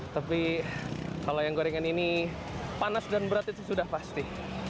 tapi kalau yang gorengan ini panas dan berat itu sudah pasti